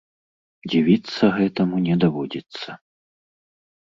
Дзівіцца гэтаму не даводзіцца.